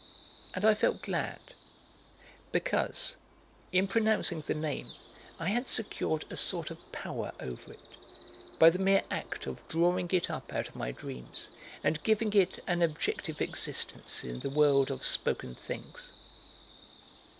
and I felt glad because, in pronouncing the name, I had secured a sort of power over it, by the mere act of drawing it up out of my dreams and giving it an objective existence in the world of spoken things.